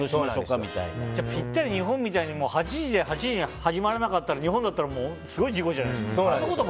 ぴったり日本みたいに８時のものが８時に始まらなかったら日本ではすごい事故じゃないですか。